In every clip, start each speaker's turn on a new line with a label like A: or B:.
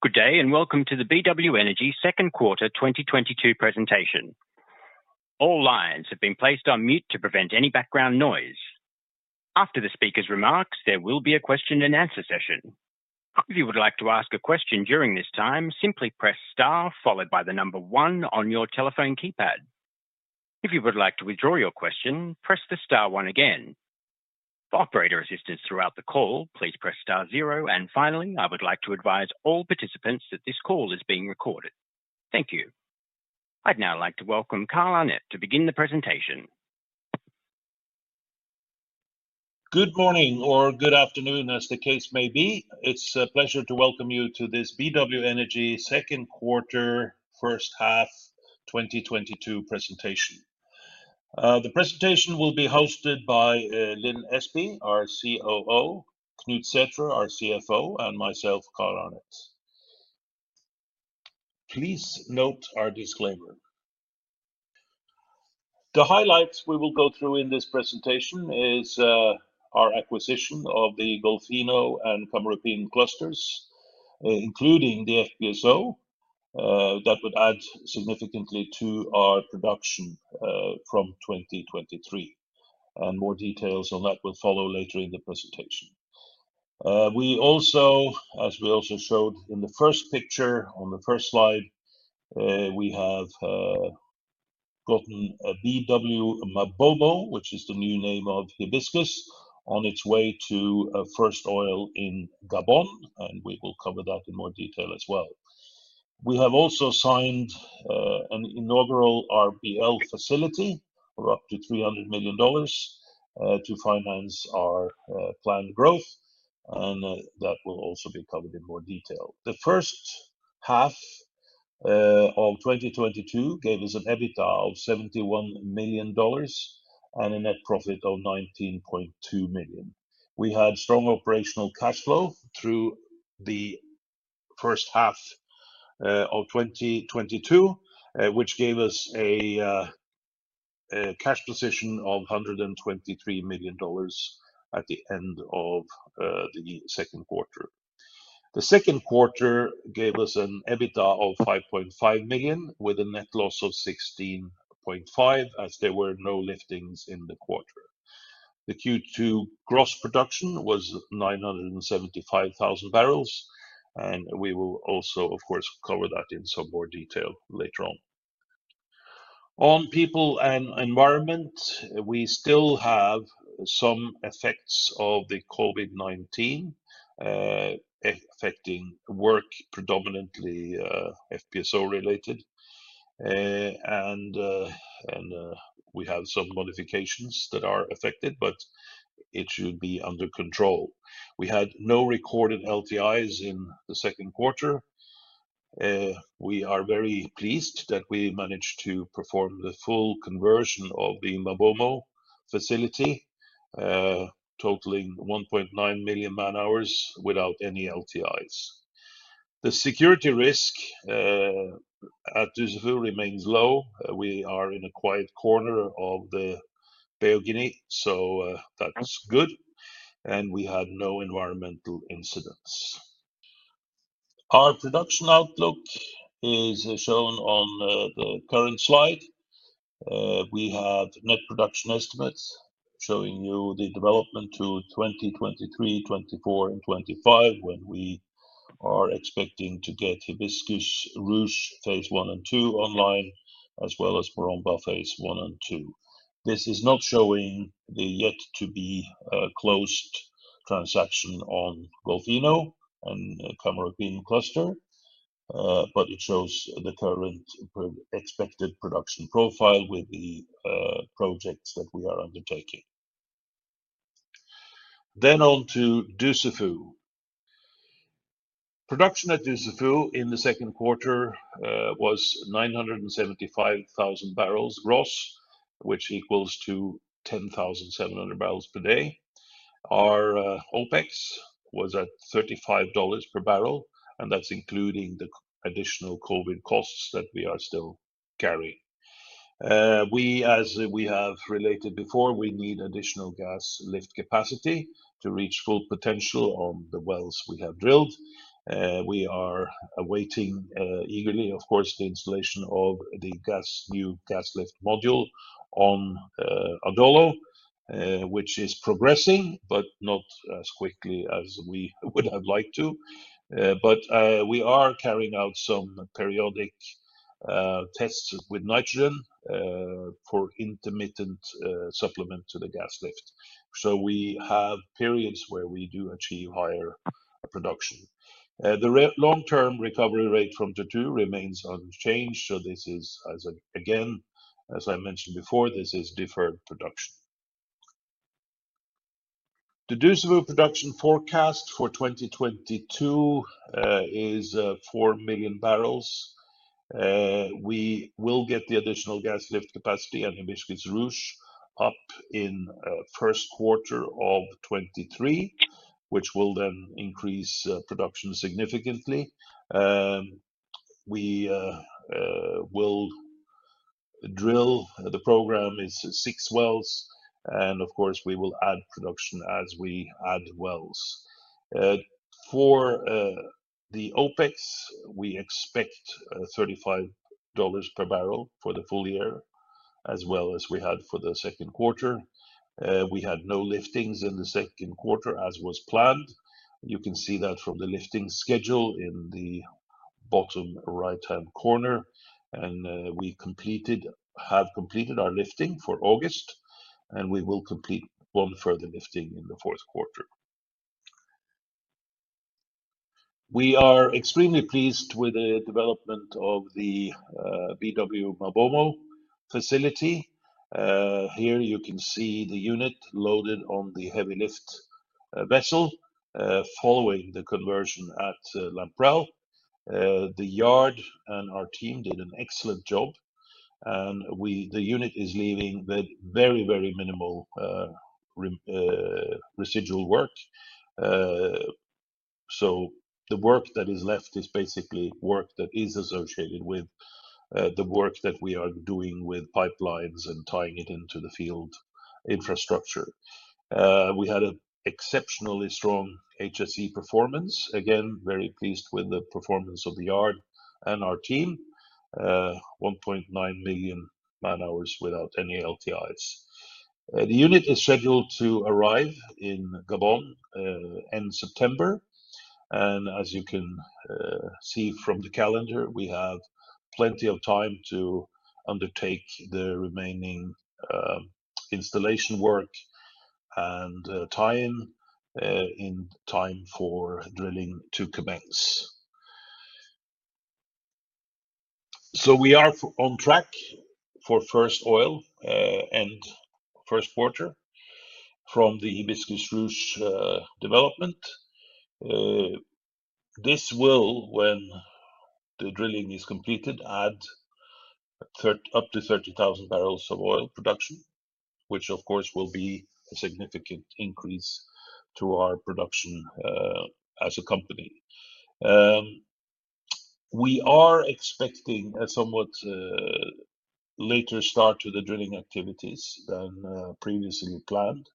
A: Good day, and welcome to the BW Energy Q2 2022 presentation. All lines have been placed on mute to prevent any background noise. After the speaker's remarks, there will be a question and answer session. If you would like to ask a question during this time, simply press star followed by the number 1 on your telephone keypad. If you would like to withdraw your question, press the star 1 again. For operator assistance throughout the call, please press star 0. Finally, I would like to advise all participants that this call is being recorded. Thank you. I'd now like to welcome Carl Arnet to begin the presentation.
B: Good morning or good afternoon, as the case may be. It's a pleasure to welcome you to this BW Energy Q2, first half 2022 presentation. The presentation will be hosted by Lin Espey, our COO, Knut Sætre, our CFO, and myself, Carl Arnet. Please note our disclaimer. The highlights we will go through in this presentation is our acquisition of the Golfinho and Camarupim clusters, including the FPSO, that would add significantly to our production from 2023. More details on that will follow later in the presentation. We also, as we also showed in the first picture on the first slide, we have gotten a BW MaBoMo, which is the new name of Hibiscus, on its way to first oil in Gabon, and we will cover that in more detail as well. We have also signed an inaugural RBL facility for up to $300 million to finance our planned growth, and that will also be covered in more detail. The first half of 2022 gave us an EBITDA of $71 million and a net profit of $19.2 million. We had strong operational cash flow through the first half of 2022, which gave us a cash position of $123 million at the end of the Q2. The Q2 gave us an EBITDA of $5.5 million, with a net loss of $16.5 million, as there were no liftings in the quarter. The Q2 gross production was 975,000 barrels, and we will also, of course, cover that in some more detail later on. On people and environment, we still have some effects of the COVID-19 affecting work predominantly FPSO-related. We have some modifications that are affected, but it should be under control. We had no recorded LTIs in the Q2. We are very pleased that we managed to perform the full conversion of the MaBoMo facility, totaling 1.9 million man-hours without any LTIs. The security risk at Dussafu remains low. We are in a quiet corner of the Gulf of Guinea, so that's good. We had no environmental incidents. Our production outlook is shown on the current slide. We have net production estimates showing you the development to 2023, 2024 and 2025 when we are expecting to get Hibiscus Ruche phase one and two online, as well as Maromba phase one and two. This is not showing the yet-to-be closed transaction on Golfinho and Camarupim cluster, but it shows the current expected production profile with the projects that we are undertaking. On to Dussafu. Production at Dussafu in the Q2 was 975,000 barrels gross, which equals to 10,700 barrels per day. Our OPEX was at $35 per barrel, and that's including the additional COVID costs that we are still carrying. We, as we have related before, we need additional gas lift capacity to reach full potential on the wells we have drilled. We are awaiting eagerly, of course, the installation of the new gas lift module on Adolo, which is progressing but not as quickly as we would have liked to. We are carrying out some periodic tests with nitrogen for intermittent supplement to the gas lift. We have periods where we do achieve higher production. The long-term recovery rate from Tortue remains unchanged, so this is, again, as I mentioned before, deferred production. The Dussafu production forecast for 2022 is 4 million barrels. We will get the additional gas lift capacity at Hibiscus Ruche up in Q1 of 2023, which will then increase production significantly. The drill program is six wells, and of course, we will add production as we add wells. For the OPEX, we expect $35 per barrel for the full year as well as we had for the Q2. We had no liftings in the Q2 as was planned. You can see that from the lifting schedule in the bottom right-hand corner. We have completed our lifting for August, and we will complete one further lifting in the Q4. We are extremely pleased with the development of the BW MaBoMo facility. Here you can see the unit loaded on the heavy-lift vessel following the conversion at Lamprell. The yard and our team did an excellent job, and the unit is leaving with very, very minimal residual work. The work that is left is basically work that is associated with the work that we are doing with pipelines and tying it into the field infrastructure. We had an exceptionally strong HSE performance. Again, very pleased with the performance of the yard and our team, 1.9 million man-hours without any LTIs. The unit is scheduled to arrive in Gabon end September. As you can see from the calendar, we have plenty of time to undertake the remaining installation work and tie-in in time for drilling to commence. We are on track for first oil and Q1 from the Hibiscus Ruche development. This will, when the drilling is completed, add up to 30,000 barrels of oil production, which of course will be a significant increase to our production as a company. We are expecting a somewhat later start to the drilling activities than previously planned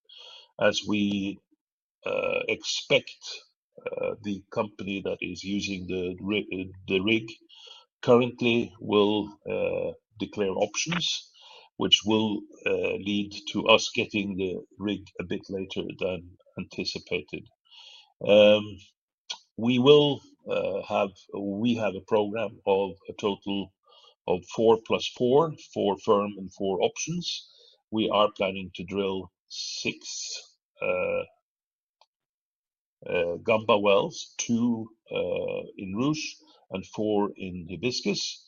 B: as we expect the company that is using the rig currently will declare options, which will lead to us getting the rig a bit later than anticipated. We have a program of a total of four+ four firm and four options. We are planning to drill six Gamba wells, two in Ruche and four in Hibiscus.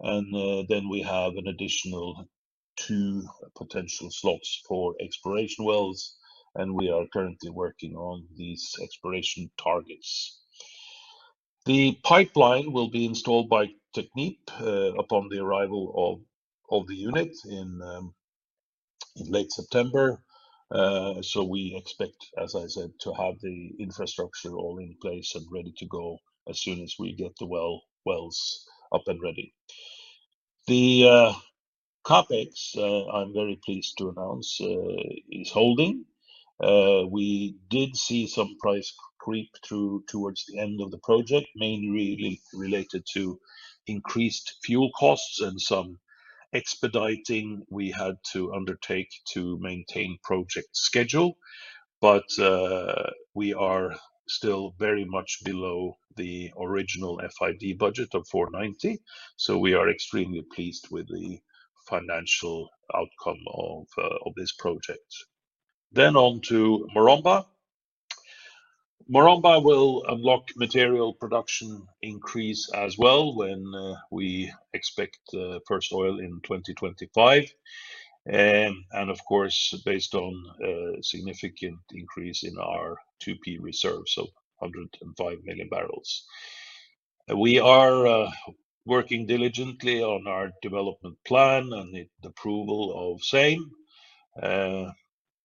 B: Then we have an additional two potential slots for exploration wells, and we are currently working on these exploration targets. The pipeline will be installed by Technip upon the arrival of the unit in late September. We expect, as I said, to have the infrastructure all in place and ready to go as soon as we get the wells up and ready. The CapEx, I'm very pleased to announce, is holding. We did see some price creep through towards the end of the project, mainly related to increased fuel costs and some expediting we had to undertake to maintain project schedule. We are still very much below the original FID budget of $490 million, so we are extremely pleased with the financial outcome of this project. On to Maromba. Maromba will unlock material production increase as well when we expect first oil in 2025 and, of course, based on a significant increase in our 2P reserves of 105 million barrels. We are working diligently on our development plan and the approval of same.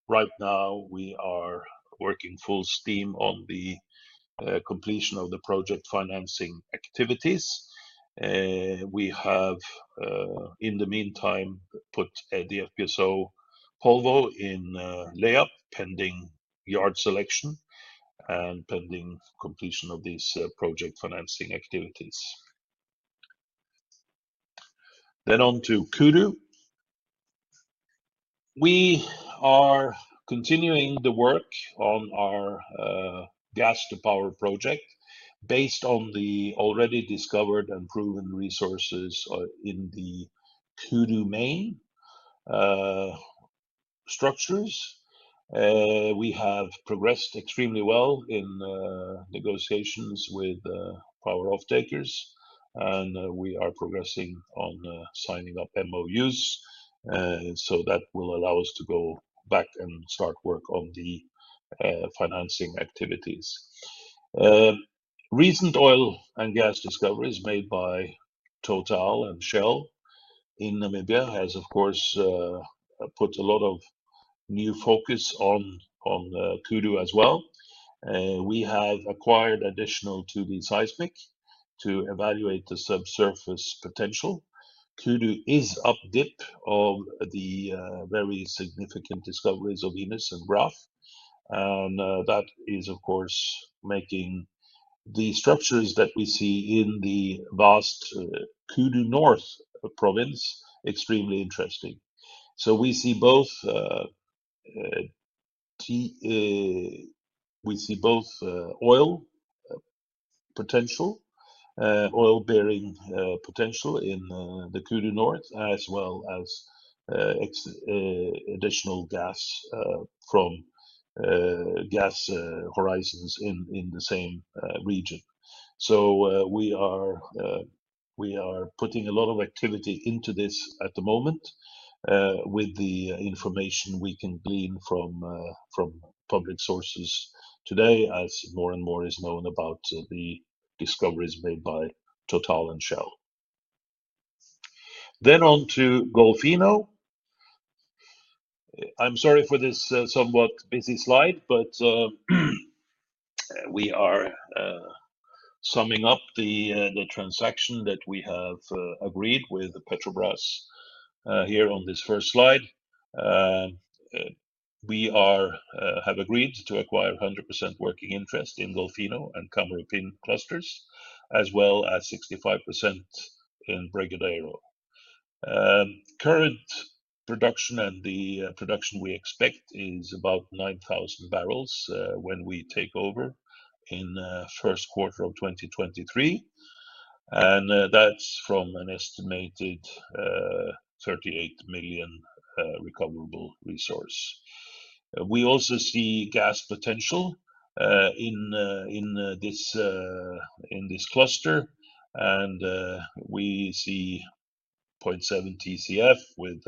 B: Right now we are working full steam on the completion of the project financing activities. We have, in the meantime, put the FPSO Polvo in layup pending yard selection and pending completion of these project financing activities. On to Kudu. We are continuing the work on our gas-to-power project based on the already discovered and proven resources in the Kudu Main structures. We have progressed extremely well in negotiations with power off-takers, and we are progressing on signing up MOUs. That will allow us to go back and start work on the financing activities. Recent oil and gas discoveries made by TotalEnergies and Shell in Namibia has of course put a lot of new focus on Kudu as well. We have acquired additional 2D seismic to evaluate the subsurface potential. Kudu is up dip of the very significant discoveries of Venus and Graff. That is, of course, making the structures that we see in the vast Kudu North province extremely interesting. We see both oil-bearing potential in the Kudu North as well as additional gas from gas horizons in the same region. We are putting a lot of activity into this at the moment with the information we can glean from public sources today as more and more is known about the discoveries made by Total and Shell. On to Golfinho. I'm sorry for this somewhat busy slide, but we are summing up the transaction that we have agreed with Petrobras here on this first slide. We have agreed to acquire 100% working interest in Golfinho and Camarupim clusters, as well as 65% in Brigadeiro. Current production and the production we expect is about 9,000 barrels when we take over in Q1 of 2023. That's from an estimated 38 million recoverable resource. We also see gas potential in this cluster, and we see 0.7 TCF with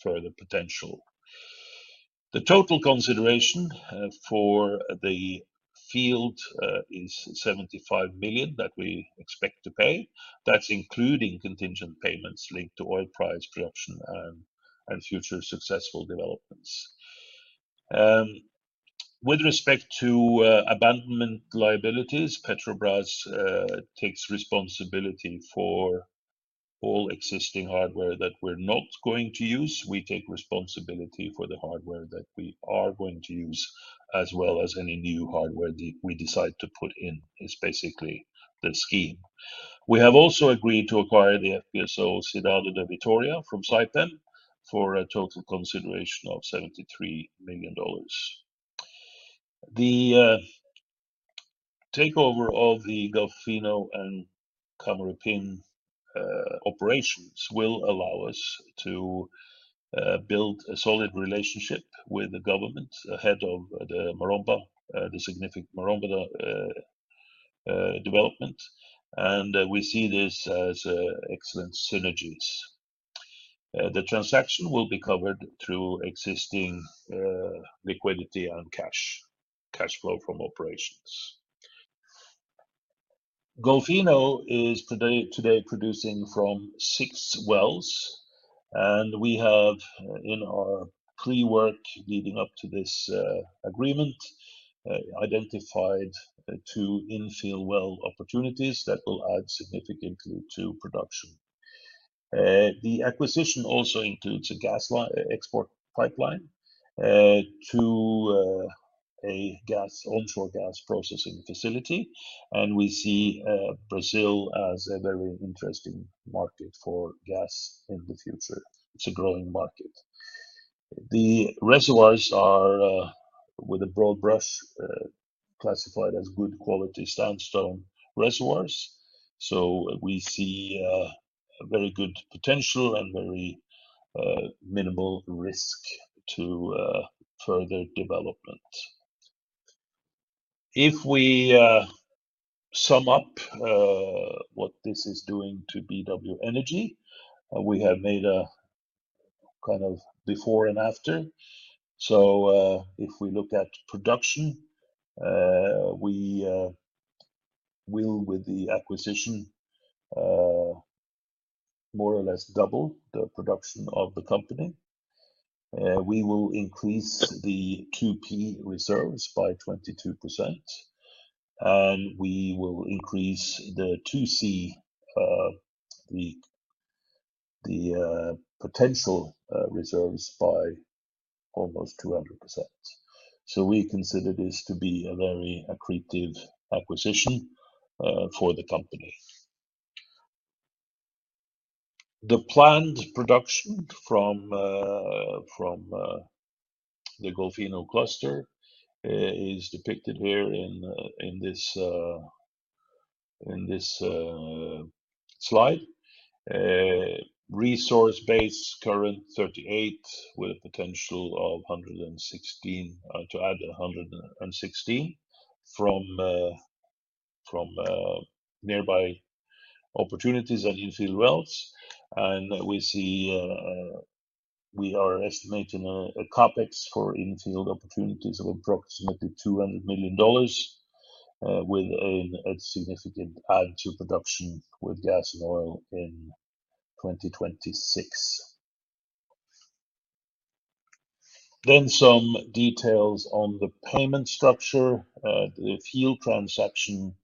B: further potential. The total consideration for the field is $75 million that we expect to pay. That's including contingent payments linked to oil price production and future successful developments. With respect to abandonment liabilities, Petrobras takes responsibility for all existing hardware that we're not going to use. We take responsibility for the hardware that we are going to use, as well as any new hardware that we decide to put in, is basically the scheme. We have also agreed to acquire the FPSO Cidade de Vitória from Saipem for a total consideration of $73 million. The takeover of the Golfinho and Camurupim operations will allow us to build a solid relationship with the government ahead of the Maromba, the significant Maromba development, and we see this as excellent synergies. The transaction will be covered through existing liquidity and cash flow from operations. Golfinho is today producing from six wells, and we have in our pre-work leading up to this agreement identified two infill well opportunities that will add significantly to production. The acquisition also includes a gas export pipeline to an onshore gas processing facility, and we see Brazil as a very interesting market for gas in the future. It's a growing market. The reservoirs are, with a broad brush, classified as good quality sandstone reservoirs, so we see a very good potential and very minimal risk to further development. If we sum up what this is doing to BW Energy, we have made a kind of before and after. If we look at production, we will, with the acquisition, more or less double the production of the company. We will increase the 2P reserves by 22%, and we will increase the 2C, the potential reserves by almost 200%. We consider this to be a very accretive acquisition for the company. The planned production from the Golfinho cluster is depicted here in this slide. Resource base current 38 with a potential of 116 to add 116 from nearby opportunities at infill wells. We see we are estimating a CapEx for infill opportunities of approximately $200 million with a significant add to production with gas and oil in 2026. Some details on the payment structure. The field transaction,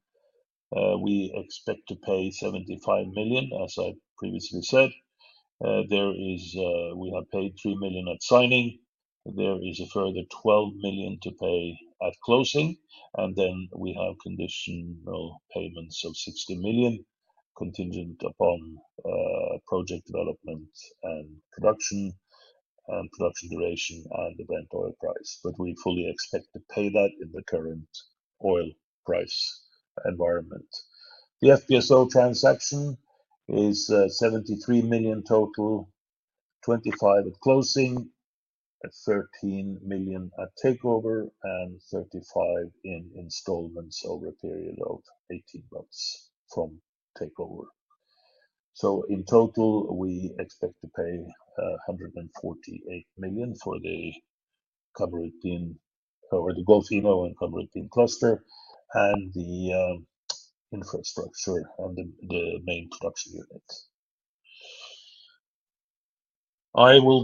B: we expect to pay $75 million, as I previously said. We have paid $3 million at signing. There is a further $12 million to pay at closing, and then we have conditional payments of $60 million contingent upon project development and production, and production duration and the Brent oil price. We fully expect to pay that in the current oil price environment. The FPSO transaction is $73 million total, $25 million at closing, $13 million at takeover, and $35 million in installments over a period of 18 months from takeover. In total, we expect to pay $148 million for the Camarupim or the Golfinho and Camarupim cluster and the infrastructure on the main production unit. I will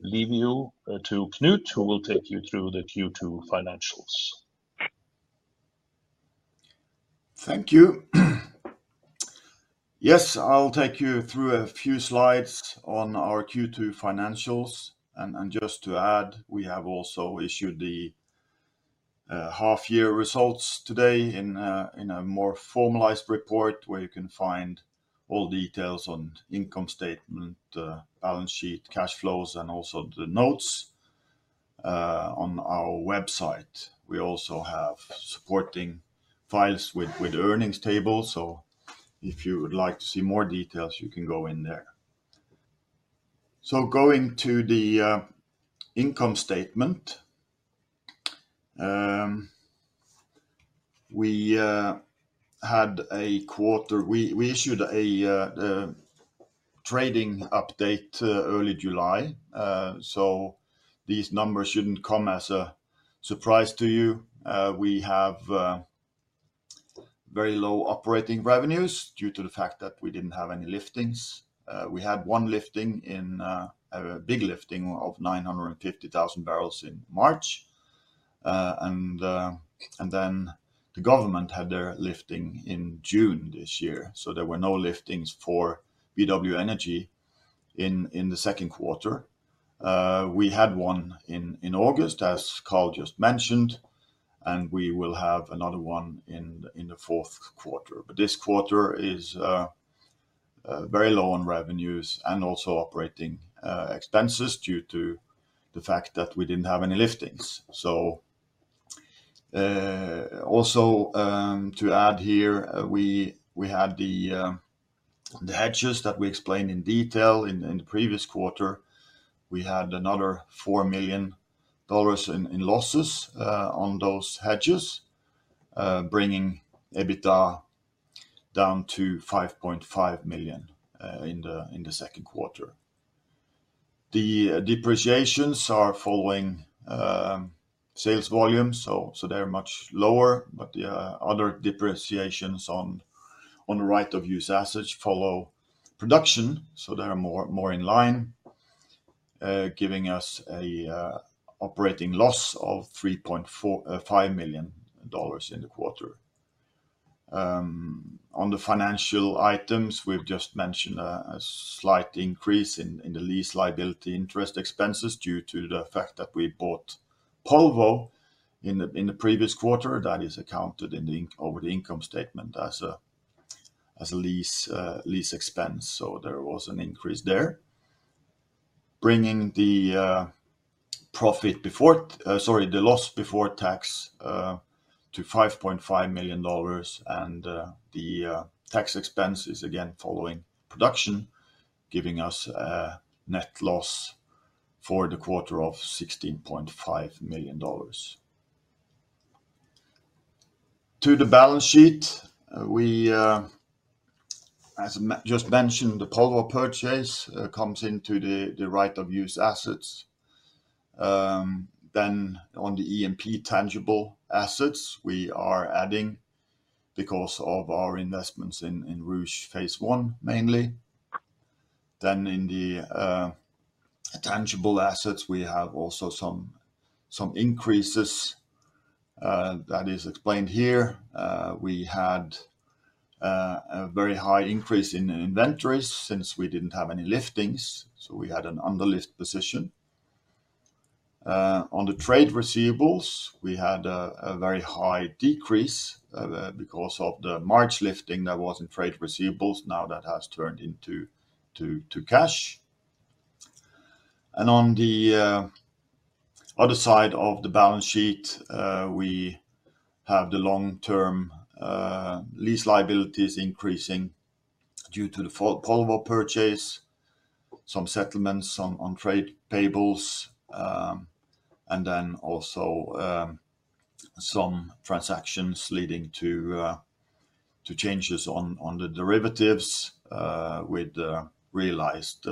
B: leave you to Knut, who will take you through the Q2 financials.
C: Thank you. Yes, I'll take you through a few slides on our Q2 financials. Just to add, we have also issued the half-year results today in a more formalized report where you can find all details on income statement, balance sheet, cash flows, and also the notes on our website. We also have supporting files with earnings tables. If you would like to see more details, you can go in there. Going to the income statement, we issued a trading update early July, so these numbers shouldn't come as a surprise to you. We have very low operating revenues due to the fact that we didn't have any liftings. We had one lifting in... A big lifting of 950,000 barrels in March. The government had their lifting in June this year. There were no liftings for BW Energy in the Q2. We had one in August, as Carl just mentioned, and we will have another one in the Q4. This quarter is very low on revenues and also operating expenses due to the fact that we didn't have any liftings. To add here, we had the hedges that we explained in detail in the previous quarter. We had another $4 million in losses on those hedges, bringing EBITDA down to $5.5 million in the Q2. The depreciations are following sales volume, so they're much lower. The other depreciations on right of use assets follow production, so they are more in line, giving us a operating loss of $3.45 million in the quarter. On the financial items, we've just mentioned a slight increase in the lease liability interest expenses due to the fact that we bought Polvo in the previous quarter. That is accounted in the income statement as a lease expense. There was an increase there. Bringing the loss before tax to $5.5 million. The tax expense is again following production, giving us a net loss for the quarter of $16.5 million. To the balance sheet, as just mentioned, the Polvo purchase comes into the right of use assets. On the E&P tangible assets we are adding because of our investments in Ruche Phase 1 mainly. In the tangible assets, we have also some increases that is explained here. We had a very high increase in inventories since we didn't have any liftings, so we had an underlift position. On the trade receivables, we had a very high decrease because of the March lifting that was in trade receivables. Now that has turned into cash. On the other side of the balance sheet, we have the long-term lease liabilities increasing due to the Polvo purchase, some settlements on trade payables, and then also some transactions leading to changes on the derivatives, with the realized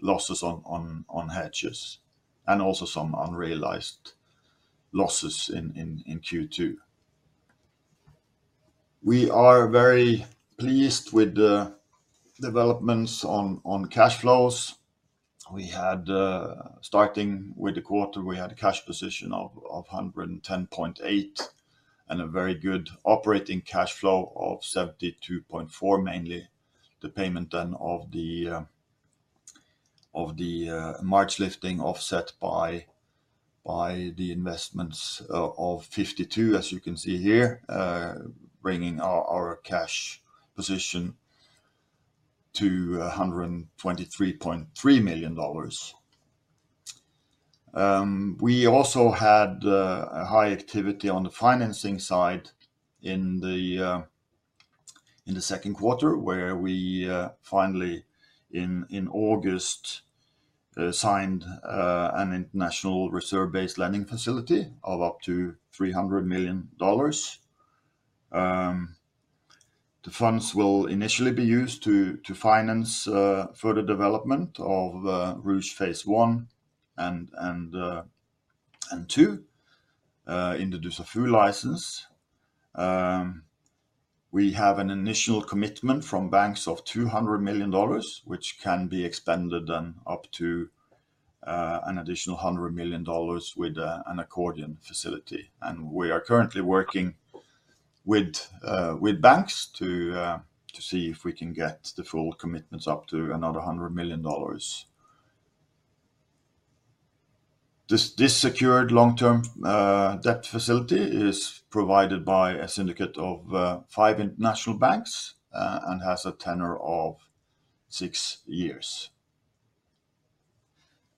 C: losses on hedges and also some unrealized losses in Q2. We are very pleased with the developments on cash flows. Starting with the quarter, we had a cash position of $110.8 million and a very good operating cash flow of $72.4 million, mainly the payment then of the March lifting offset by the investments of $52 million, as you can see here, bringing our cash position to $123.3 million. We also had a high activity on the financing side in the Q2, where we finally in August signed an international reserve-based lending facility of up to $300 million. The funds will initially be used to finance further development of Ruche phase one and two in the Dussafu license. We have an initial commitment from banks of $200 million, which can be expanded then up to an additional $100 million with an accordion facility. We are currently working with banks to see if we can get the full commitments up to another $100 million. This secured long-term debt facility is provided by a syndicate of five international banks and has a tenor of six years.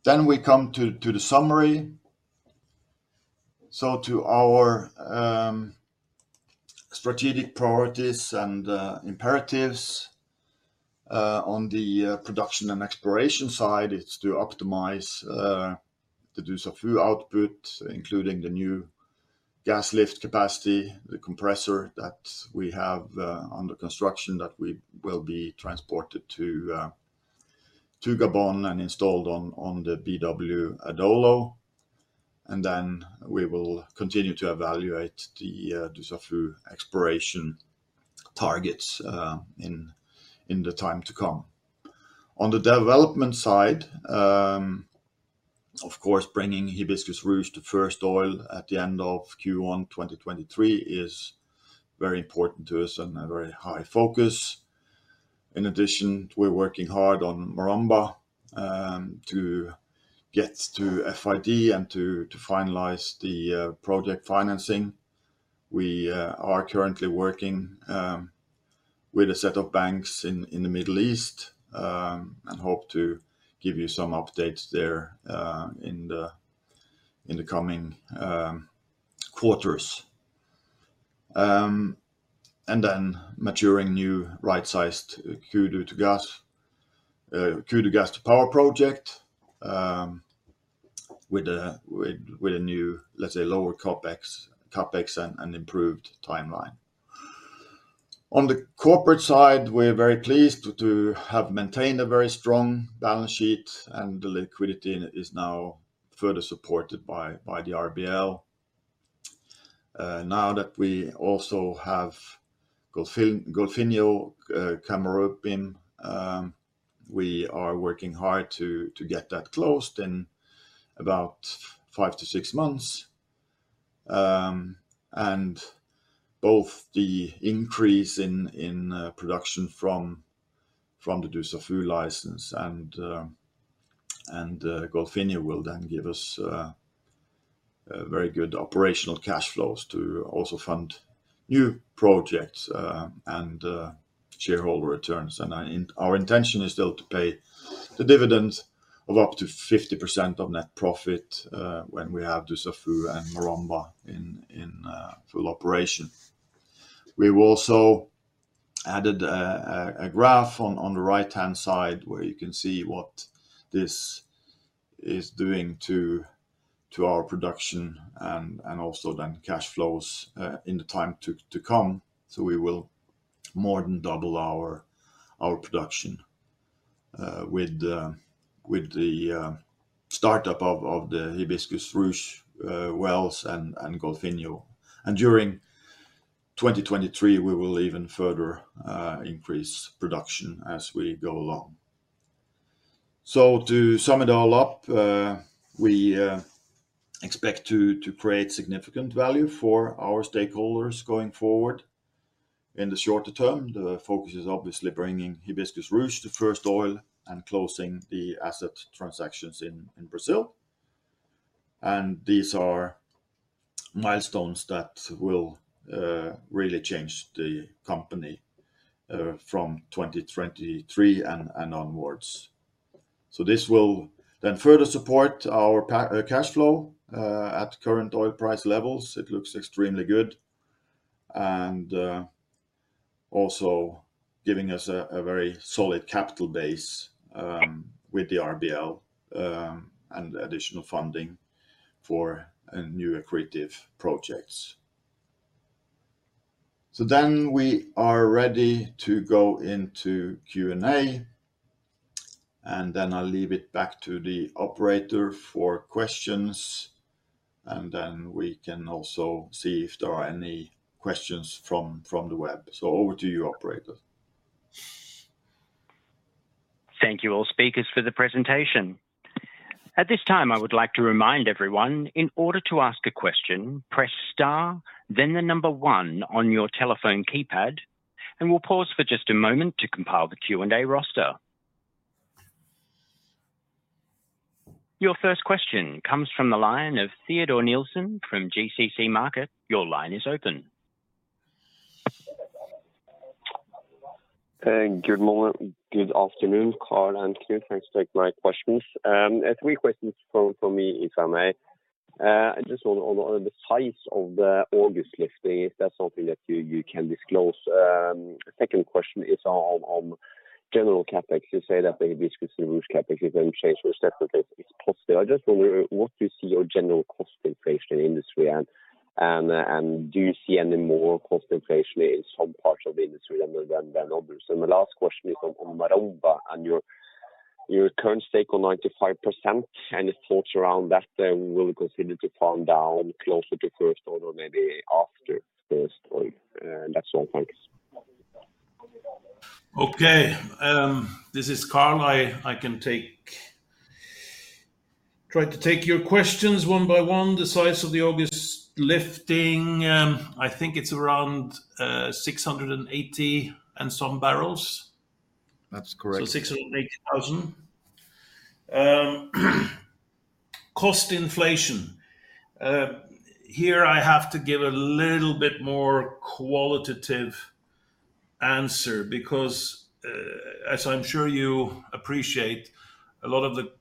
C: We come to the summary. To our strategic priorities and imperatives on the production and exploration side, it's to optimize the Dussafu output, including the new gas lift capacity, the compressor that we have under construction that we will be transported to Gabon and installed on the BW Adolo. We will continue to evaluate the Dussafu exploration targets in the time to come. On the development side, of course, bringing Hibiscus Ruche to first oil at the end of Q1 2023 is very important to us and a very high focus. In addition, we're working hard on Maromba to get to FID and to finalize the project financing. We are currently working with a set of banks in the Middle East and hope to give you some updates there in the coming quarters. Maturing new right-sized Kudu gas to power project with a new, let's say, lower CapEx and improved timeline. On the corporate side, we're very pleased to have maintained a very strong balance sheet, and the liquidity is now further supported by the RBL. Now that we also have Golfinho coming up, we are working hard to get that closed in about five-six months. Both the increase in production from the Dussafu license and Golfinho will then give us very good operational cash flows to also fund new projects and shareholder returns. Our intention is still to pay the dividends of up to 50% of net profit when we have Dussafu and Maromba in full operation. We've also added a graph on the right-hand side where you can see what this is doing to our production and also then cash flows in the time to come. We will more than double our production with the startup of the Hibiscus Ruche wells and Golfinho. During 2023, we will even further increase production as we go along. To sum it all up, we expect to create significant value for our stakeholders going forward. In the shorter term, the focus is obviously bringing Hibiscus Ruche to first oil and closing the asset transactions in Brazil. These are milestones that will really change the company from 2023 and onwards. This will then further support our cash flow. At current oil price levels, it looks extremely good. Also Giving us a very solid capital base with the RBL and additional funding for a new accretive projects. We are ready to go into Q&A, and then I'll leave it back to the operator for questions, and then we can also see if there are any questions from the web. Over to you, operator.
A: Thank you all speakers for the presentation. At this time, I would like to remind everyone, in order to ask a question, press star then the number one on your telephone keypad, and we'll pause for just a moment to compile the Q&A roster. Your first question comes from the line of Teodor Nilsen from GCC Market. Your line is open.
D: Good afternoon, Carl and Knut. Thanks. Take my questions. Three questions from me, if I may. I just want on the size of the August lifting, if that's something that you can disclose. Second question is on general CapEx. You say that the Hibiscus and Ruche CapEx, if any change respectively is possible. I just wonder what you see your general cost inflation industry and do you see any more cost inflation in some parts of the industry than others? The last question is on Maromba and your current stake on 95%. Any thoughts around that, will consider to farm down closer to first oil or maybe after first oil. That's all. Thanks.
B: Okay. This is Carl. I can take your questions one by one. The size of the August lifting, I think it's around 680 and some barrels.
C: That's correct.
B: 680,000. Cost inflation. Here I have to give a little bit more qualitative answer because, as I'm sure you appreciate, a lot of the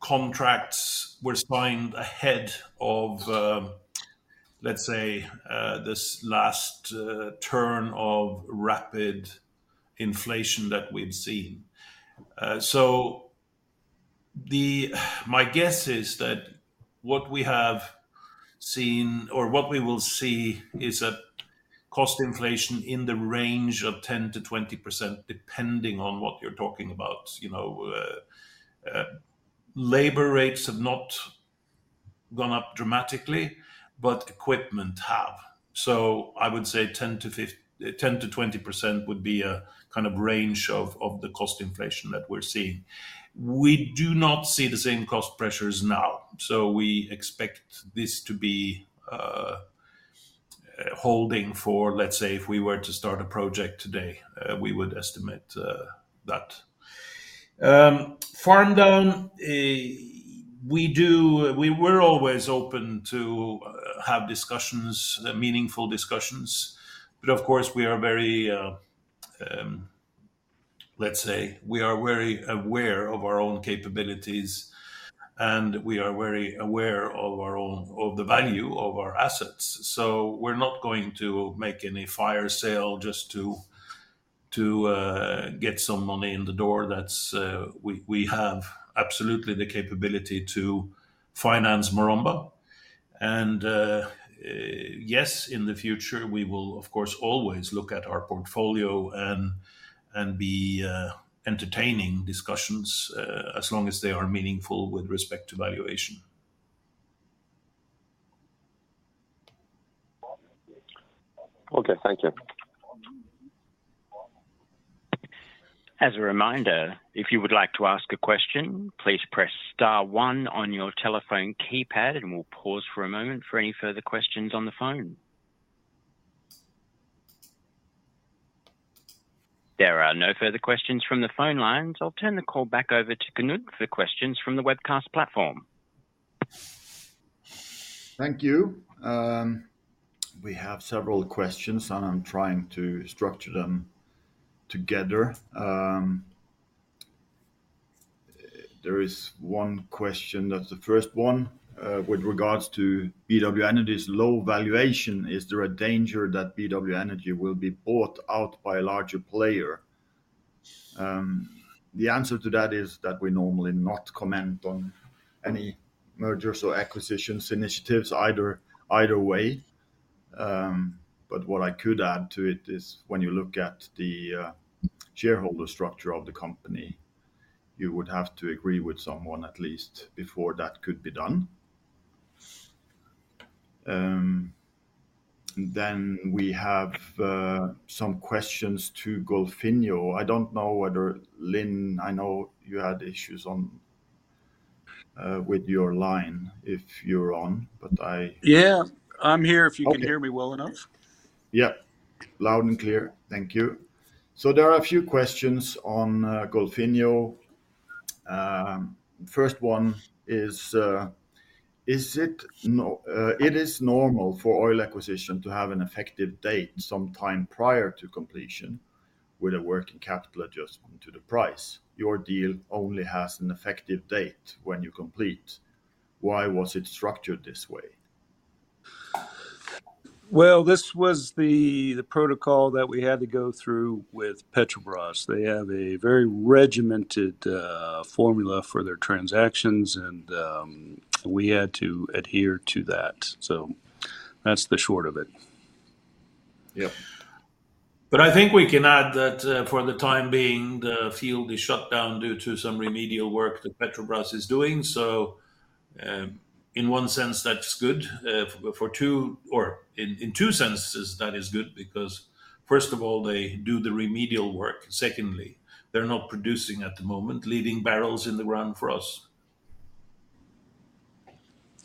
B: contracts were signed ahead of, let's say, this last turn of rapid inflation that we've seen. My guess is that what we have seen or what we will see is a cost inflation in the range of 10%-20%, depending on what you're talking about. You know, labor rates have not gone up dramatically, but equipment have. I would say 10%-20% would be a kind of range of the cost inflation that we're seeing. We do not see the same cost pressures now, so we expect this to be holding for, let's say, if we were to start a project today, we would estimate that. Farm down, we're always open to have discussions, meaningful discussions, but of course, we are very aware of our own capabilities, and we are very aware of the value of our assets. We're not going to make any fire sale just to get some money in the door. That's. We have absolutely the capability to finance Maromba. Yes, in the future, we will of course always look at our portfolio and be entertaining discussions as long as they are meaningful with respect to valuation.
D: Okay. Thank you.
A: As a reminder, if you would like to ask a question, please press star one on your telephone keypad, and we'll pause for a moment for any further questions on the phone. There are no further questions from the phone lines. I'll turn the call back over to Knut for the questions from the webcast platform.
C: Thank you. We have several questions, and I'm trying to structure them together. There is one question. That's the first one. With regards to BW Energy's low valuation, is there a danger that BW Energy will be bought out by a larger player? The answer to that is that we normally not comment on any mergers or acquisitions initiatives either way. But what I could add to it is when you look at the shareholder structure of the company, you would have to agree with someone at least before that could be done. Then we have some questions to Golfinho. I don't know whether, Lin, I know you had issues with your line, if you're on, but I-
E: Yeah. I'm here if you can hear me well enough.
B: Yeah. Loud and clear. Thank you. There are a few questions on Golfinho. First one is, it is normal for oil acquisition to have an effective date some time prior to completion with a working capital adjustment to the price. Your deal only has an effective date when you complete. Why was it structured this way?
E: Well, this was the protocol that we had to go through with Petrobras. They have a very regimented formula for their transactions, and we had to adhere to that. That's the short of it.
F: Yeah. I think we can add that, for the time being, the field is shut down due to some remedial work that Petrobras is doing. In one sense, that's good. In two senses that is good because first of all, they do the remedial work. Secondly, they're not producing at the moment, leaving barrels in the ground for us.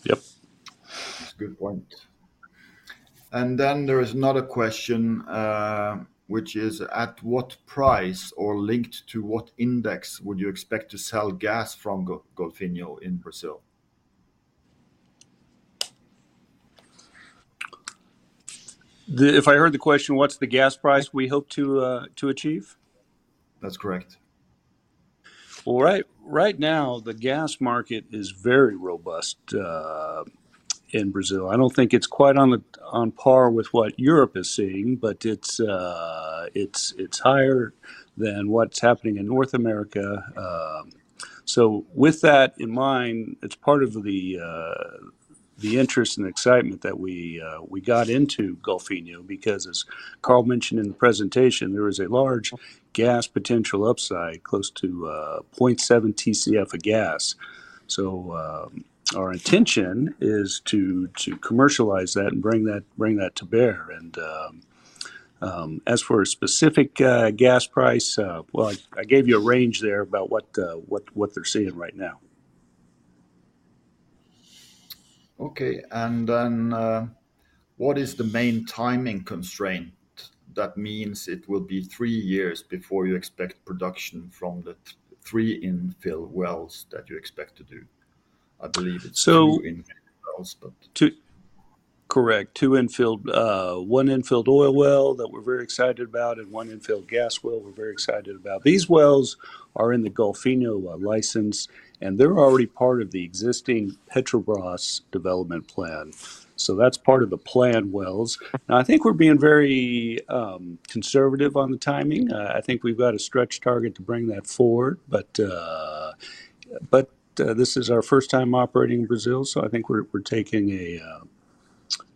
E: Yep.
C: That's a good point. There is another question, which is, at what price or linked to what index would you expect to sell gas from Golfinho in Brazil?
E: If I heard the question, what's the gas price we hope to achieve?
C: That's correct.
E: Well, right now the gas market is very robust in Brazil. I don't think it's quite on par with what Europe is seeing, but it's higher than what's happening in North America. With that in mind, it's part of the interest and excitement that we got into Golfinho because as Carl mentioned in the presentation, there is a large gas potential upside close to 0.7 TCF of gas. Our intention is to commercialize that and bring that to bear. As for a specific gas price, well, I gave you a range there about what they're seeing right now.
C: Okay. What is the main timing constraint? That means it will be three years before you expect production from the three infill wells that you expect to do. I believe it's.
E: So-
C: two infill wells.
E: Correct, two infilled ,one infilled oil well that we're very excited about, and one infilled gas well we're very excited about. These wells are in the Golfinho license, and they're already part of the existing Petrobras development plan. That's part of the plan wells. Now, I think we're being very conservative on the timing. I think we've got a stretch target to bring that forward, but this is our first time operating in Brazil, so I think we're taking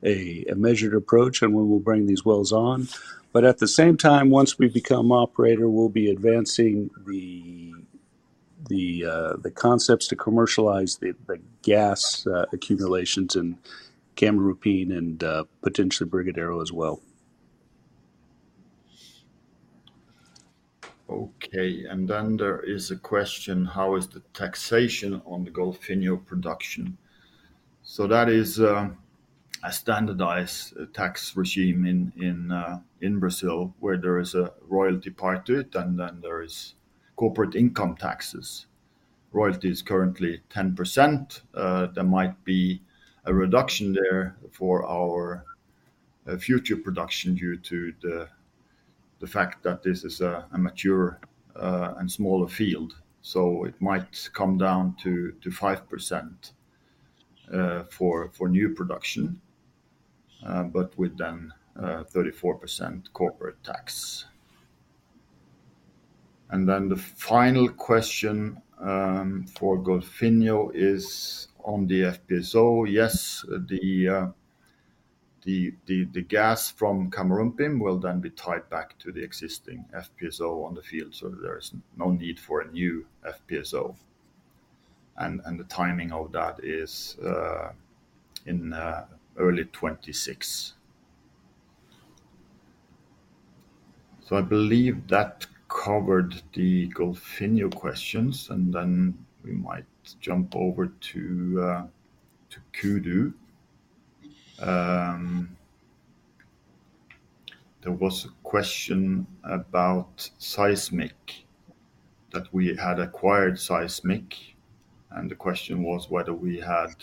E: a measured approach and we will bring these wells on. At the same time, once we become operator, we'll be advancing the concepts to commercialize the gas accumulations in Camurupim and potentially Brigadeiro as well.
C: Okay. There is a question, how is the taxation on the Golfinho production? That is a standardized tax regime in Brazil where there is a royalty part to it and then there is corporate income taxes. Royalty is currently 10%. There might be a reduction there for our future production due to the fact that this is a mature and smaller field. It might come down to 5% for new production. But then 34% corporate tax. The final question for Golfinho is on the FPSO. Yes, the gas from Camurupim will then be tied back to the existing FPSO on the field, so there's no need for a new FPSO. The timing of that is in early 2026. I believe that covered the Golfinho questions, and then we might jump over to Kudu. There was a question about seismic that we had acquired seismic, and the question was whether we had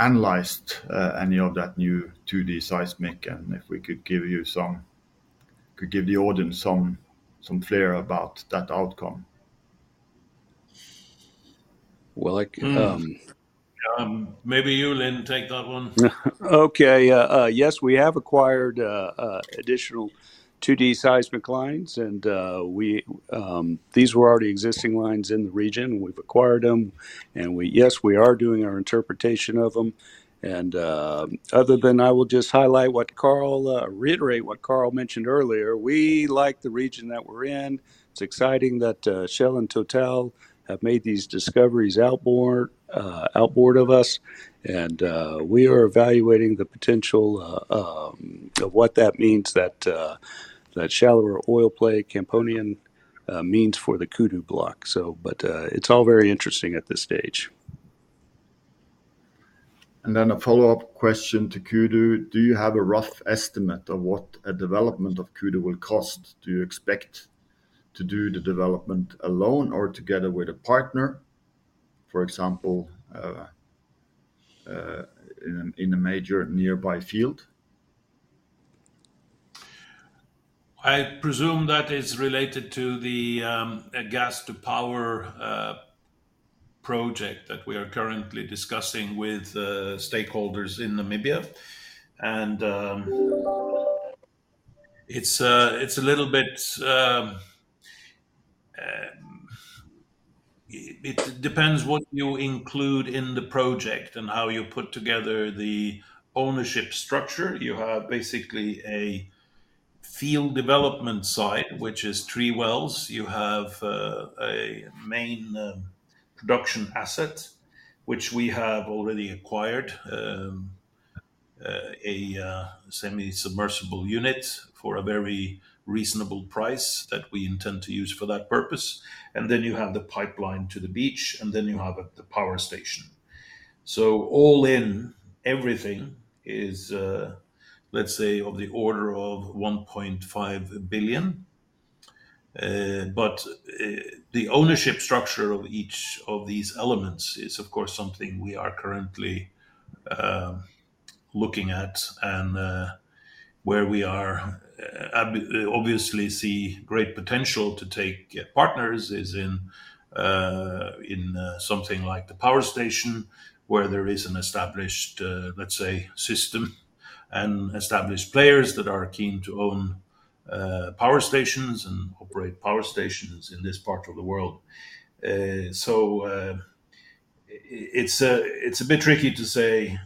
C: analyzed any of that new 2D seismic, and if we could give the audience some flair about that outcome.
E: Well, I.
F: Maybe you, Lin, take that one.
E: Okay. Yes, we have acquired additional 2D seismic lines. These were already existing lines in the region. We've acquired them. Yes, we are doing our interpretation of them. Other than, I will just highlight, reiterate what Carl mentioned earlier, we like the region that we're in. It's exciting that Shell and TotalEnergies have made these discoveries outboard of us and we are evaluating the potential of what that means, that shallower oil play Campanian means for the Kudu block. It's all very interesting at this stage.
C: Then a follow-up question to Kudu, do you have a rough estimate of what a development of Kudu will cost? Do you expect to do the development alone or together with a partner, for example, in a major nearby field?
B: I presume that is related to the gas to power project that we are currently discussing with stakeholders in Namibia. It's a little bit. It depends what you include in the project and how you put together the ownership structure. You have basically a field development site, which is three wells. You have a main production asset, which we have already acquired, a semi-submersible unit for a very reasonable price that we intend to use for that purpose. You have the pipeline to the beach, and then you have the power station. All in, everything is, let's say, of the order of $1.5 billion. The ownership structure of each of these elements is, of course, something we are currently looking at and where we are obviously see great potential to take partners is in something like the power station where there is an established, let's say, system and established players that are keen to own power stations and operate power stations in this part of the world. It's a bit tricky to say,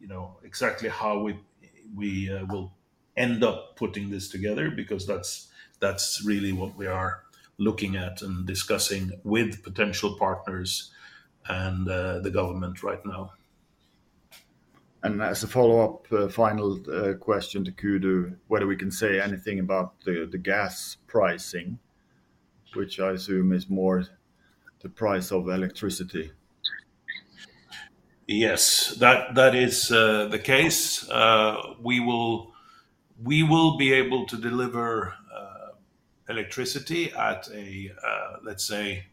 B: you know, exactly how we will end up putting this together because that's really what we are looking at and discussing with potential partners and the government right now. As a follow-up, final question to Kudu, whether we can say anything about the gas pricing, which I assume is more the price of electricity. Yes. That is the case. We will be able to deliver electricity at a, let's say,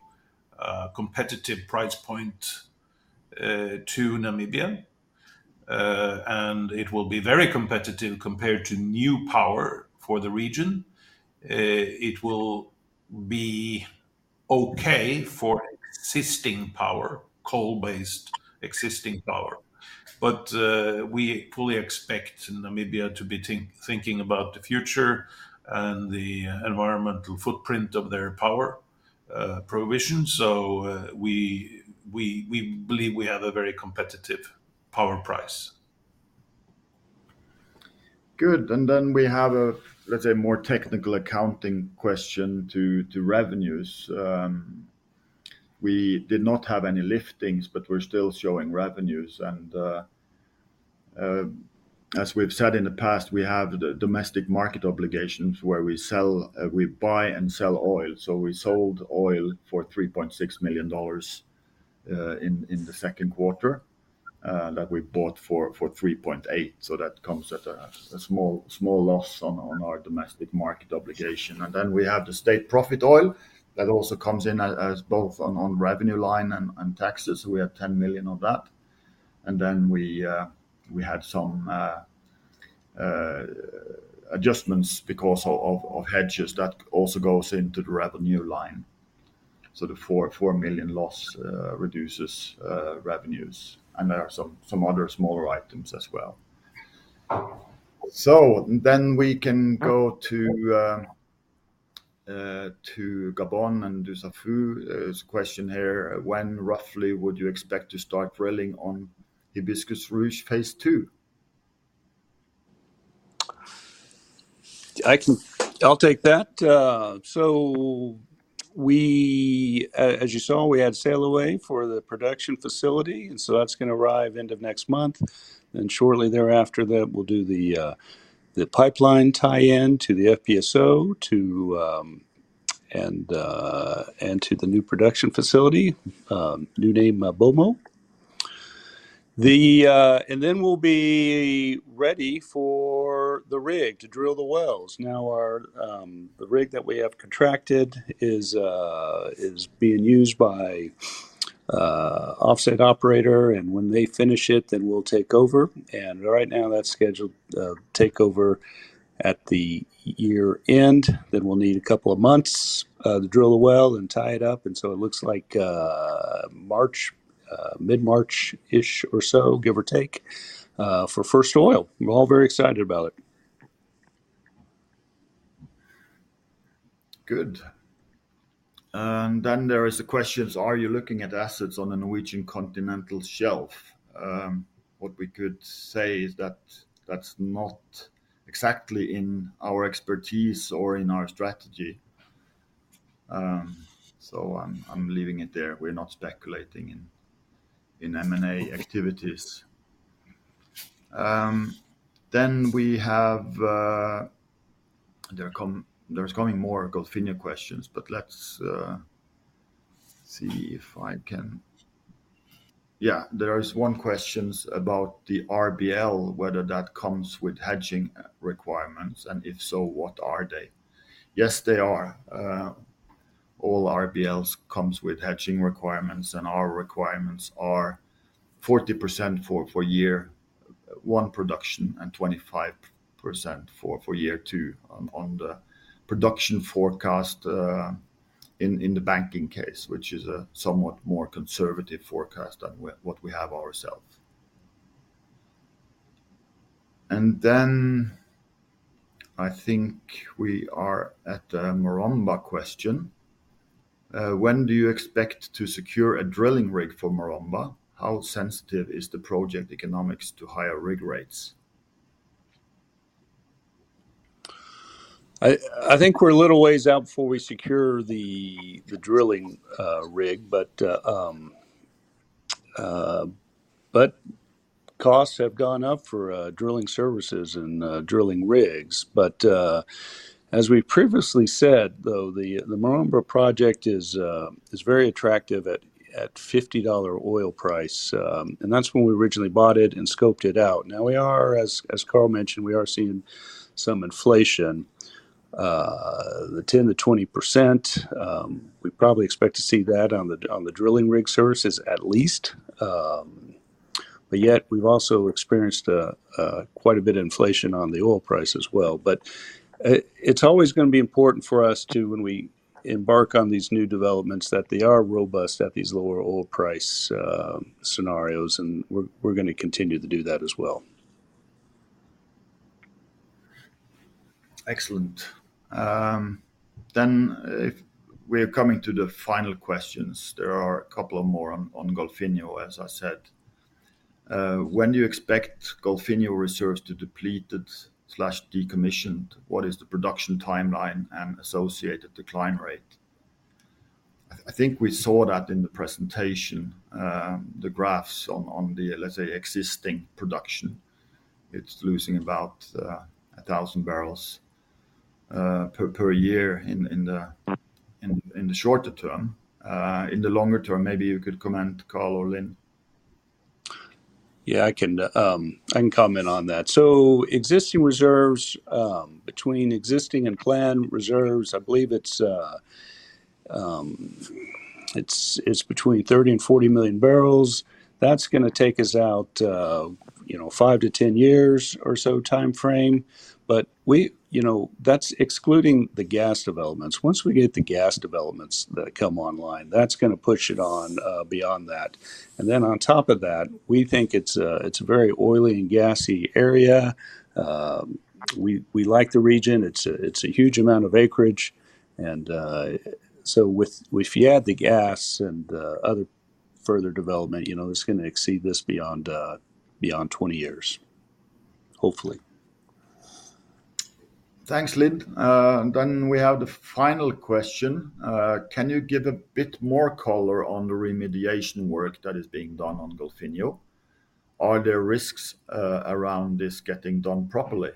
B: a competitive price point to Namibia. It will be very competitive compared to new power for the region. It will be okay for existing power, coal-based existing power. We fully expect Namibia to be thinking about the future and the environmental footprint of their power provision. We believe we have a very competitive power price. Good. Then we have a, let's say, more technical accounting question to revenues. We did not have any liftings, but we're still showing revenues. As we've said in the past, we have the domestic market obligations where we sell, we buy and sell oil. We sold oil for $3.6 million in the Q2 that we bought for $3.8 million. That comes at a small loss on our domestic market obligation. We have the state profit oil that also comes in as both on revenue line and taxes. We have $10 million of that. We had some adjustments because of hedges that also goes into the revenue line. The $4 million loss reduces revenues, and there are some other smaller items as well. We can go to Gabon and Dussafu. There's a question here, when roughly would you expect to start drilling on Hibiscus Ruche Phase Two?
E: I'll take that. As you saw, we had sail away for the production facility, and that's gonna arrive end of next month. Shortly thereafter we'll do the pipeline tie-in to the FPSO and to the new production facility, new name, BW MaBoMo. We'll be ready for the rig to drill the wells. Now the rig that we have contracted is being used by offset operator, and when they finish it, we'll take over. Right now, that's scheduled takeover at the year-end. We'll need a couple of months to drill the well and tie it up. It looks like March, mid-March-ish or so, give or take, for first oil. We're all very excited about it.
B: Good. Then there is a question, so are you looking at assets on the Norwegian Continental Shelf? What we could say is that that's not exactly in our expertise or in our strategy. I'm leaving it there. We're not speculating in M&A activities. Then there are more Golfinho questions coming, but let's see if I can. Yeah. There is one question about the RBL, whether that comes with hedging requirements, and if so, what are they? Yes, they are.
C: All RBLs come with hedging requirements, and our requirements are 40% for year one production and 25% for year two on the production forecast in the banking case, which is a somewhat more conservative forecast than what we have ourselves. I think we are at a Maromba question. When do you expect to secure a drilling rig for Maromba? How sensitive is the project economics to higher rig rates?
E: I think we're a little ways out before we secure the drilling rig. Costs have gone up for drilling services and drilling rigs. As we previously said, though, the Maromba project is very attractive at $50 oil price. That's when we originally bought it and scoped it out. Now we are, as Carl mentioned, seeing some inflation. The 10%-20% we probably expect to see that on the drilling rig services at least. Yet we've also experienced quite a bit of inflation on the oil price as well. It's always gonna be important for us to, when we embark on these new developments, that they are robust at these lower oil price scenarios, and we're gonna continue to do that as well.
C: Excellent. If we're coming to the final questions, there are a couple more on Golfinho, as I said. When do you expect Golfinho reserves to depleted or decommissioned? What is the production timeline and associated decline rate? I think we saw that in the presentation, the graphs on the, let's say, existing production. It's losing about 1,000 barrels per year in the shorter term. In the longer term, maybe you could comment, Carl or Lin.
E: Yeah, I can comment on that. Existing reserves between existing and planned reserves, I believe it's between 30 and 40 million barrels. That's gonna take us out, you know, five to 10 years or so timeframe. You know, that's excluding the gas developments. Once we get the gas developments that come online, that's gonna push it on, beyond that. Then on top of that, we think it's a very oily and gassy area. We like the region. It's a huge amount of acreage. If you add the gas and other further development, you know, it's gonna exceed this beyond 20 years, hopefully.
C: Thanks, Lin. We have the final question. Can you give a bit more color on the remediation work that is being done on Golfinho? Are there risks around this getting done properly?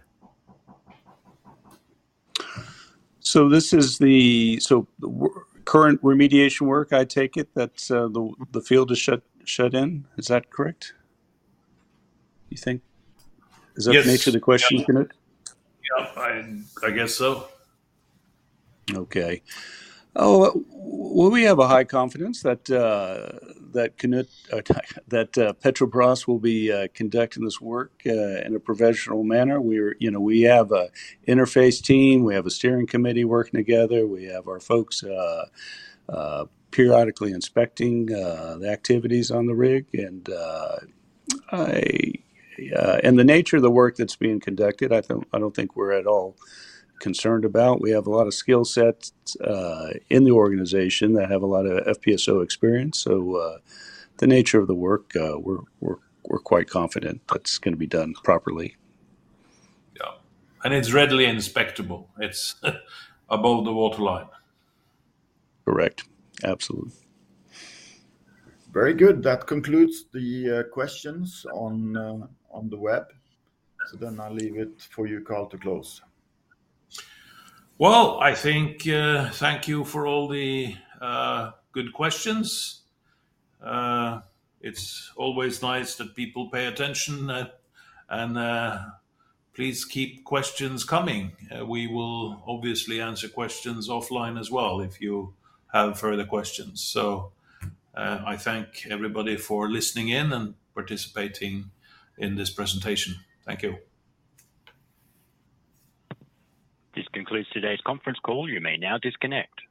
E: Current remediation work, I take it, that the field is shut in. Is that correct, you think?
C: Yes.
E: Is that the nature of the question, Kenneth?
F: Yeah. I guess so.
E: Okay. Well, we have a high confidence that Petrobras will be conducting this work in a professional manner. You know, we have a interface team. We have a steering committee working together. We have our folks periodically inspecting the activities on the rig. The nature of the work that's being conducted, I don't think we're at all concerned about. We have a lot of skill sets in the organization that have a lot of FPSO experience. The nature of the work, we're quite confident that it's gonna be done properly.
F: Yeah.
C: It's readily inspectable. It's above the waterline.
E: Correct. Absolutely.
C: Very good. That concludes the questions on the web. I'll leave it for you, Carl, to close.
B: Well, I think, thank you for all the good questions. It's always nice that people pay attention, and please keep questions coming. We will obviously answer questions offline as well if you have further questions. I thank everybody for listening in and participating in this presentation. Thank you.
A: This concludes today's conference call. You may now disconnect.